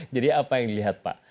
jadi apa yang dilihat pak